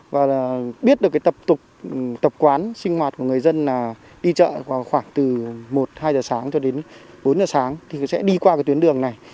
và biết được tập quán sinh hoạt của người dân đi chợ khoảng từ một hai giờ sáng cho đến bốn giờ sáng thì sẽ đi qua tuyến đường này